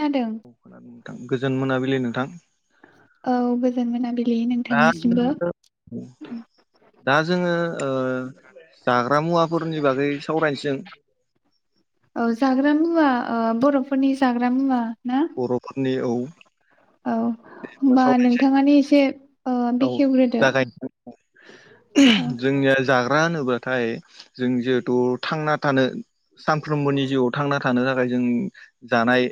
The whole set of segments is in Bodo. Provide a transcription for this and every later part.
खोनादों औ गोजोन मोनाबि लि नोंथां औ गोजोन मोनाबिलि दा नोंथांनिसिमबो जोङो दा जोङो ओ जाग्रा मुवाफोरनि बागै सावरायनोसै औ जाग्रा मुवा ओ बर'फोरनि जाग्रा मुवा ना बर'फोरनि औ औ दे होनबा होमबा सावरायनोसै नोंथाङानो एसे ओ औ बेखेवग्रोदो जाय औ जोंनिया जाग्रा ग्रा होनोब्लाथाय जों जिहेथु थांना थानो सानफ्रोमबोनि जिउआव थांना थानो थाखाय जों जानाय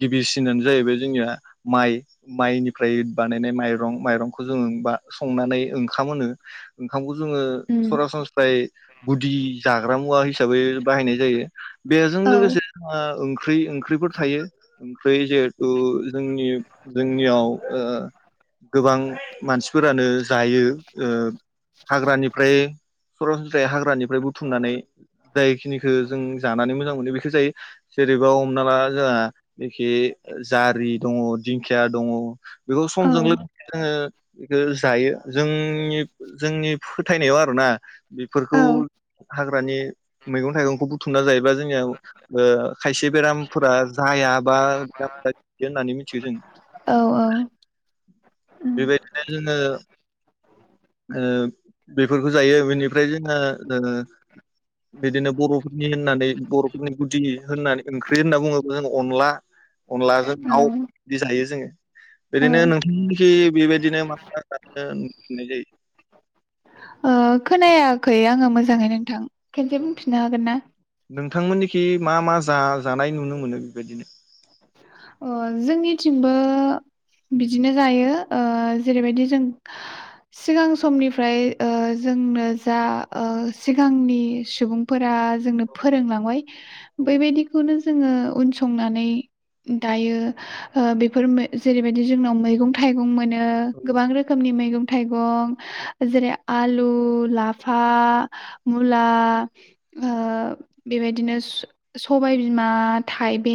गिबिसिनानो जाहैबाय जोंनिया माइ माइनिफ्राय बानायनाय माइरं माइरंखौ जों बा संनानै ओंखाम होनो ओंखामखौ जोङो सरासनस्रायै गुदि जाग्रा मुवा हिसाबै बाहायनाय जायो बेजों औ लोगोसे जोंहा ओंख्रि ओंख्रिफोर थायो ओंख्रि जिहेथु जोंनि जोंनियाव ओ गोबां मानसिफोरानो जायो ओ हाग्रानिफ्राय सरासनस्रायै हाग्रानिफ्राय बुथुमनानै जायखिनिखौ जों जानानै मोजां मोनो बेखौ जायो जेरैबा हमना ला जोंहा एखि जारि दंङ खिया दंङ बेखौ औ समजों लोगोसे जोंङो बेखौ जायो जोंनि जोंनि फोथायनायाव आरोना औ बेफोरखौ हाग्रानि मैगं थाइगंखौ बुथुमना जायोबा जोंनियाव ओ खायसे बेरामफोरा जाया बा बेरामफोरा होननानै मिथियो जों औ बे बायदिनो जोंङो ओ बेफोरखौ जायो बेनिफ्राय जोंङो ओ बिदिनो बर'फोरनि होननानै बर'फोरनि गुदि होननानै ओंख्रि होनना बुंङोब्ला जों अनला अनलाजों औ दाव दि जायो जोंङो औ ओरैनो नोंथांखि [unintelligible] जायो ओ खोनायाखै आंङो मोजांङै नोंथां । खेनसे बुंफिननो हागोन ना? थांमोननिखि मा मा जा जानाय नुनो मोनो बेबायदिनो? अ जोंनिथिंबो बिदिनो जायो ओ जेरैबायदि जों सिगां समनिफ्राय ओ जोंनो जा ओ सिगांनि सुबुंफोरा जोंनो फोरोंलांबाय औ बैबायदिखौनो जो जोंङो उन संनानै दायो। यो ओ बेफोर मै जेरैबाय जोंनाव मैगं थाइगं मोनो। यो औ गोबां रोखोमनि मैगं थाइगं जेरै आलु लाफा मुला ओ बेबायदिनो स-सबाय बिमा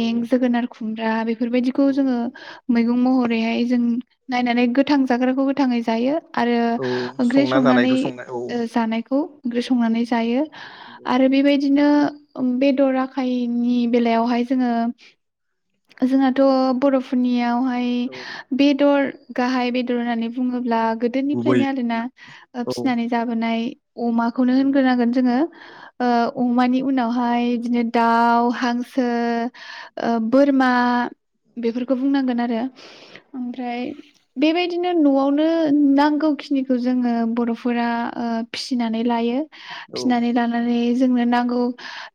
औ जोगोनार खुमब्रा बे बेफोर बायदिखौ औ जोंङो मैगं महरैहाय जों नायनानै गोथां जाग्राखौ गोथांङै जायो। आरो औ ओंख्रि संना संनानै जानायखौ संनाय औ ओ जानायखौ ओंख्रि संनानै जायो। आरो बे बाय दिनो ओम बेदर आखायनि बेलायावहाय जोंङो जोंहाथ' बर'फोरनियावहा नाय औ बेदर गाहाय बेदर होननानै बुंङो ब्ला गुबै गोदोनिफ्रायनो आरोना ओ औ फिसिनानै जाबोनाय अमा खौनो औ होनग्रोनांगोन जोंङो ओ अमानि उनावहाय दिनो दाव, हांसो ओ बोर मा बेफोरखौ बुंनांगोन आरो ओमफ्राय बे बायदिनो न'आवनो नांगौखिनिखौ जोंङो बर'फोरा ओ फिसिनानै लायो। औ फिसिनानै लानानै जोंनो नांगौ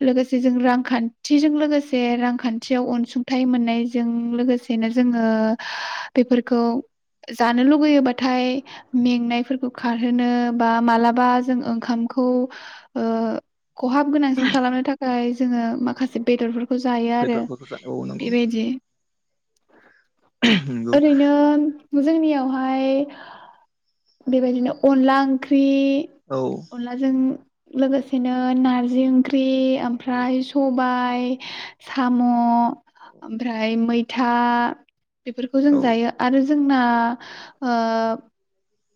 लोगोसे जों रांखान्थिजों लोगोसे रांखान्थियाव अनसुं थाइ मोननायजों लोगोसेनो जोंङो बेफोरखौ जानो लुुबैयोबाथाय मेंनायफोरखौ खारहोनो बा मालाबा जों ओंखामखौ ओ खहाब गोनांसिन खालामनो थाखाय जोंङो माखासे बेदरफोरखौ जायो आरो। बेदरफोरखौ जा औ नंगौ बेबायदि नंगौ ओरैनो जोंनियावहाय उम बेबायदिनो अनला ओंख्रि औ अनलाजों लोगोसेनो नारजि ओंख्रि औ ख्रिओमफ्राय सबायाइ ओमफ्राय साम' ओमफ्राय मै था बेफोरखौ जों जायो आरो जोंना ओ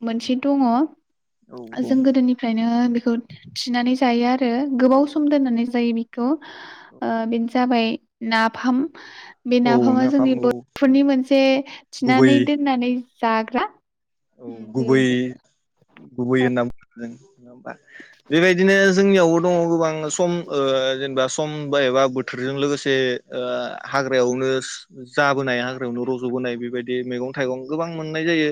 मोनसे दङ औ बुं जों गोदोनिफ्रायनो बेखौ खौ थिनानै जायो आरो यो औ गोबाव सम दोननानै जायो बेखौ ओ बेनो जाबाय ना फाम बे औ नाफामा नाफाम जोंनि औ बर'फोरनि मोनसे गुबै थिनानै दोननानै जाग्रा औ उम गुबै बेबायदि गुबै होनना बुं जों नङा होमबा? बेबायदिनो जोंनियावबो दङ गोबां सम ओ जेनेबा सम बा एबा बोथोरजों लोगोसे ओ हाग्रायावनो जाबोनाय हाग्रायावनो रज' बोनाय बेबायदि बि मैगं थाइगं गोबां मोननाय जायो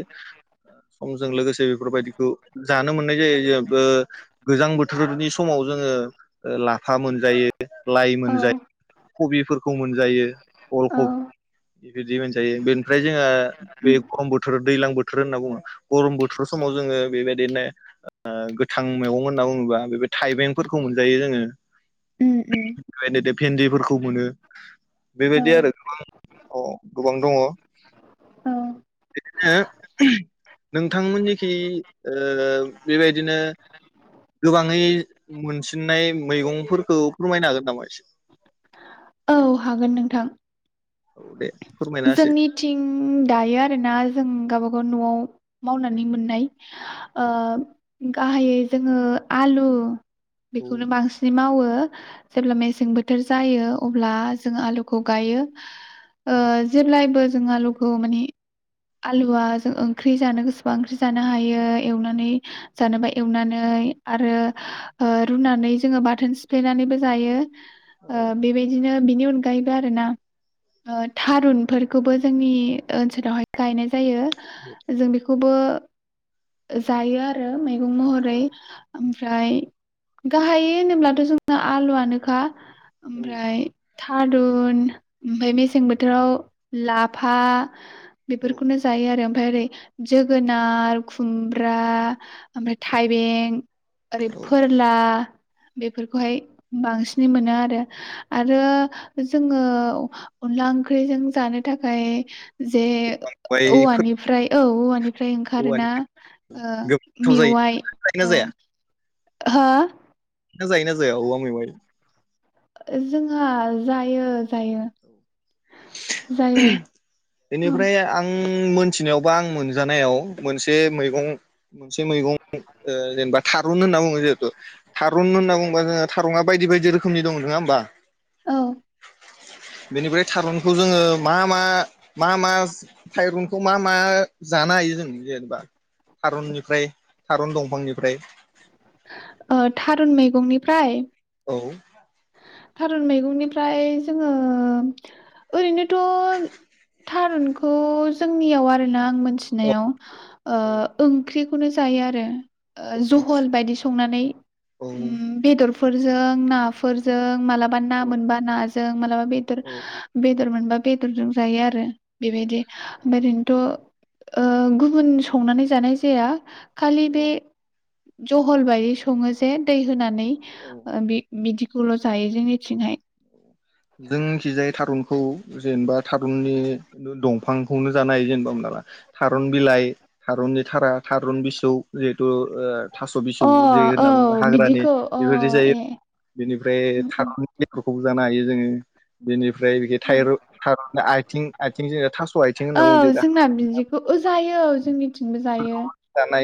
समजों लोगोसे बेफोरबायदिखौ जानो मोननाय जायो जेबो ओ गोजां बोथोरनि समाव जोङो लाफा मोनजायो लाइ औ मोनजायो कबिफोरखौ मोनजायो अल औ खब बिदि मोनजायो बेनिफ्राय जोङो बे खम बोथोर दैलां बोथो बोथोर होनना बुङो गरम बोथोर समाव जोङो बेबायदिनो ओ गोथां मैगं होनना बुङोबा बे थाइबेंफोरखौ मोनजायो जोङो उम उम बेबायदिनो भेन्दिफोरखौ मोनो औ बेबायदि आरो गोबां औ गोबां दङ औ हो नोंथांमोननिखि ओ बेबायदिनो गोबाङै मोनसिननाय मैगंफोरखौ फोरमायनो हागोन नामा एसे औ हागोन नोंथां औ दे । जोंनिथिं दायो आरोना जों गावब गाव । नआव मावनानै मोननाय ओ गाहायै जोङो आलु औ बेखौनो बांसिनै मावो जेब्ला मेसें बोथोर जायो अब्ला जों आलुखौ गायो ओ जेब्लायबो जों आलुखौ माने आलुआ जों ओंख्रि जानो गोसोबा ओंख्रि जानो हायो एवनानै जानोबा एवनानै । आरो ओ रुना नानै जोङो बाथोन सिफ्लेनानैबो जायो औ । ओ बेबायदिनो । नि अनगायैबो आरो ना । ओ औ थारुन खौबो जोंनि ओनसोलावहाय गायनाय जायो जों बेखौबो जायो आरो महरै ओम ओमफ्राय गाहाय होनोब्लाथ जोंना आलुआनोखा औ ओमफ्राय थारुन ओमफ्राय मेसें बोथोराव लाफा औ बेफोरखौनो जायो आरो ओमफ्राय ओरै जोगोनार खुमब्रा ओमफ्राय थाइबें ओरै औ फोरला बेफोरखौहाय बांसिन बि मोनो आरो आरो जोङो अनला ओंख्रिजों । जानो थाखाय जे औवाइफोर औवानिफ्राय औ औवानिफ्राय औवानि ओंखारोना गोबां गोथाव जायो मेवाइ जायोना औ। जाया हा? ना जों जायो ना जाया औवा मेवाय जोंहा जायो जायो। जायो औ बेनिफ्राय आं आं मोनथिनायावबा आं मोनजानायाव मोनसे मैगं मोनसे मैगं जेनेबा थारुन होनना बुङो जिहेथु थारुन होनना बुंबा जोङो थारुना बायदि बायदि रोखोमनि दं नङा होमबा? औ बेनिफ्राय खौ जोङो मा मा, मा मा थायरनखौ मा मा जानो हायो जों जेनेबा थारुननिफ्राय थारुन दंफांनिफ्राय थारुन मैगंनिफ्राय? औ। थारुन मैगंनिफ्राय जोङो ओरैनोथ' थारुनखौ जोंनियाव आरोना आं औ मोनथिनायाव ओ ओंख्रि खौनो जायो आरो। ओ जहल बायदि संनानै औ उम बेदरफोर फोरजों नाफो फोर जों माला बा ना औ मोनबा ना ज जों मालाबा बेदर औ बे बेदर मोनबा बेदरजों जायो आरो। बेबादिे मेरिन थ' ओ गुबुन संनानै जानाय जाया खालि औ बे जहल बायदि सङो जे दै होनानै औ ओ बे बिदि सुल' जायो जोंनिथिंहाय। जोंनिखिजाय थारुनखौ जेनेबा थारुननि दंफांखौनो जानाय जेनेबा मोन थारुन बिलाइ, थारुननि थारा, थारुन बिसौ जिहेथु ओ थास' बिसौ अ जे औ होनना बुङो हाग्रानि बिदिखौ अ बेफोरबादि जायो। ए बेनिफ्राय उम था उम खौबो जानो हायो जोङो। बेनि फ्राय बिदि थायरु थारुन आथिं आथिं जों थास' आथिं होनना बुंडों जे औ दा जोंना बिदिखौ ओ जायो औ जोंनिथिंबो [unintelligible] जायो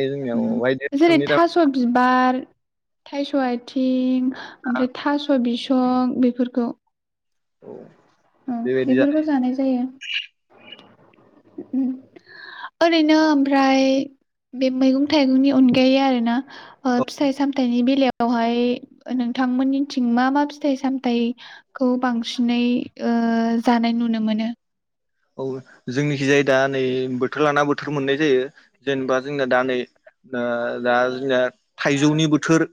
जोंनियाव बायदि रोखोमनि थाइस' आथिं ओमफ्राय थास' बिस सं बेफोरखौ। औ। औ बेफोरखौ जानाय जायो। उम ओरैनो ओमफ्राय बे मैगं थाइगंनि अनगायै आरो ना ओ औ फिथाइ सामथाइनि बेलायाव यावहाय नोंथांमोननिथिं मा मा फिथाइ सामथाइ खौ बांसिनै ओ जानाय नुनो मोनो । औ, जोंनिखि जाय दा नै बोथोर लाना बोथोर मोननाय जायो। जेनेबा जोंनाया दा नै दा जोंनिया थाइजौनि बोथोर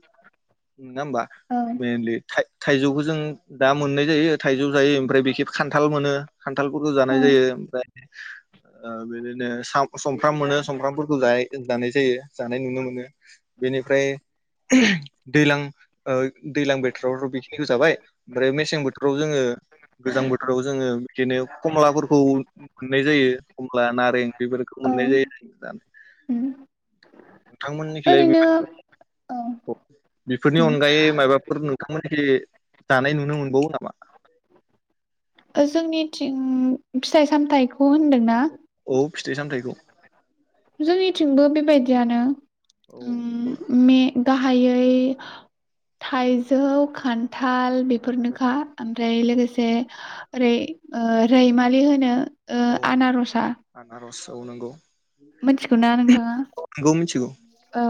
नङा होमबा? औ मेइनलि थाइ थाइजौखौ जों दा मोननाय जायो थायजौ जायो। ओमफ्राय बेखि खान्थाल मोनो खान्थालफोरखौ जा औ नाय जायो ओ बिदिनो सफ्राम मोनो सुमफ्रामफोरखौ जायो जों जानाय जायो जानाय नुनो मोनो बेनिफ्राय दैलां ओ दैलां बोथोरावथ' बेखिनिखो जाबाय ओमफ्राय मेसें बोथोराव जोङो गोजां बोथोराव जोङो बिदिनो खमलाफोरखौ मोननाय जायो ख मला नारें बेफोरखौ औ मोननाय जायो [unintelligible] नोंथांमोननिखैलाय बे ओरैनो औ उम बेफोरनि अनगायै मायबाफोर नोंथांमोनथि जानाय नुनो मोनबावो नामा? जोंनिथिं फिथाइ सामथाइखौ होनदों ना? औ फिथाइ सामथाइखौ जोंनिथिंबो बेबायदियानो औ उम मे गाहायै थाइजौ खान्थाल औ बेफोरनोखा ओमफ्राय औ लोगोसे ओरै ओ रैमालि होनो ओ औ आनारसा आनारस औ नंगौ मोनथिगौ ना नोंथाङा? नंगौ मिथिगौ औ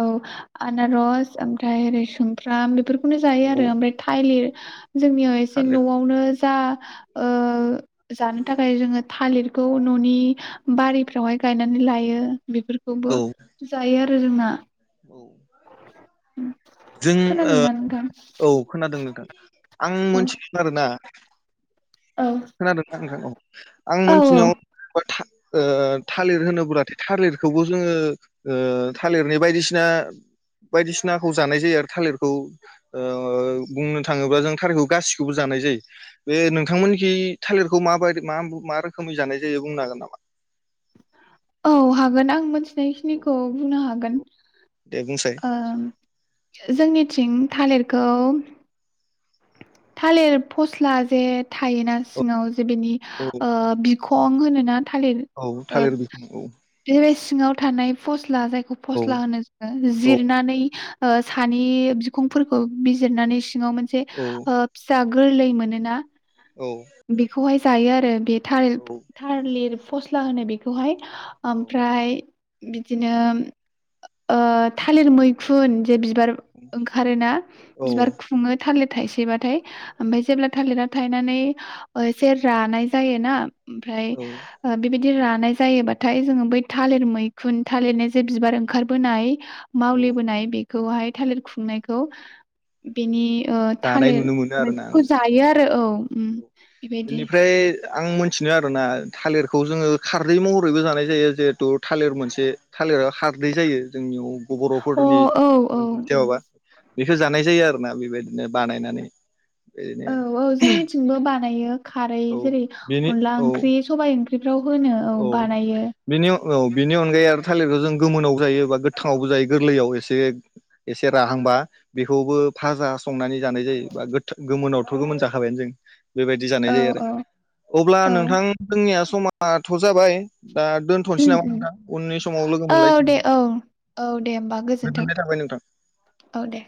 आनारस ओमफ्राय ओरै सुमफ्राम बेफोर खौनो जायो औ आरो ओमफ्राय थाइलिर जोंनियाव एसे थालिर न'आवनो जा ओ जानो थाखाय जोङो थालिर खौ न'नि बारिफ्रावहाय गायनानै लायो। औ बेफोरखौबो जायो। [unintelligible] जों खोनादोंना नोंथां ओ औ खोनादों नोंथां। आं औ मोनथिगोन आरो ना औ खोनादों ना नोंथां औ आं औ मिथिनायाव था ओ थालिर होनोब्लाथाय थालिरखौबो जोङो ओ थालिरनि बायदिसि ना बायदिसिनाखौ जानाय जायो आरो थालिरखौ ओ बुंनो थाङोब्ला जों थालिरखौ गासिखौबो जानाय जायो बे नोंथांमोनखि थालिरखौ माबाय मा मा रोखोमै जानाय जायो बुंनो हागोन नामा? औ हागोन आं मोनथि थिनाय औ खिनिखौ बुंनो हागोन। औ दे बुंसाय ओ जोंनिथिं थालिरखौ थालिर फस्ला जे थायोना औ सिङाव बेनि औ ओ बि खं होनोना थालिर औ थालिर बिफां [unintelligible] औ बेबायस सिङाव थानाय फस्ला जायखौ बेखौ औ फस्ला होनो जोङो औ जिरनानै ओ सानि बिखुंफोरखौ बिजिरनानै सिङाव मोनसे औ फिसा गोरलै मोनोना औ बेखौहाय जायो आरो आरो बे थालिर औ थालिर फस्ला होनो बिखौहाय ओमफ्राय बिदिनो ओ थालिर मैखुन जे बिबार ओंखारोना औ बिबार खुङो थालिर थायसेबाथाय ओमफ्राय जेब्ला थालिरा थायनानै ओ सेर रानाय जायोना ओमफ्राय औ ओ बेबादि बिदि रानाय जायोबाथाय जोङो बै थालिर मैखुन थालिरनि जे बिबार ओंखारबोनाय औ मावलिबोनाय बेखौहाय थालिर खुंनायखौ बिनि ओ जानाय थालिर नुनो मोनो आरोना मैगंखौ औ जायो आरो औ ओम औ बेनिफ्राय आं मोनथिनो आरोना थालिरखौ जोङो खारदै महरैबो जानाय जायो जिहेतु थालिर मोनसे थालिराव हा खारदै जायो जोंनियाव अ बर'फोरनिथि औ औ मोनसे उम माबा बेखौ जानाय जायो आरोना बेबायदिनो बानायनानै बिदिनो औ औ जोंनिथिंबो बार हायो खारै औ जेरै बेनि अनला औ ओंख्रि सबाइ ओंख्रि औ बिनि औ बिनि अनगायै आरो थालिरखौ जों गोमोनाव जायो बा गोथाङावबो जायो गोरलैयाव एसे एसे एसे राहांबा बेखौबो फाजा संनानै जानाय जायो बा गोमोनावथ' गोमोन जाखाबायानो जों बेबायदि जानाय औ जायो आरो औ अब्ला औ नोंथां जोंनिया माथ' जाबाय दा दोनथ'नोसै उम नामा उम नोंथां उननि समाव लोगो औ दे मोनलायसिगोन औ औ दे होमबा गोजोन्थों गोजोननाय थाबाय नोंथां औ दे